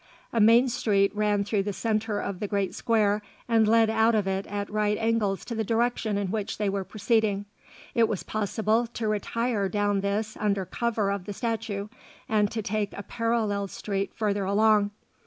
A main street ran through the centre of the great square, and led out of it at right angles to the direction in which they were proceeding. It was possible to retire down this under cover of the statue, and to take a parallel street further along.